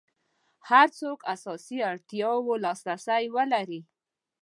هر څوک اساسي اړتیاوو لاس رسي ولري.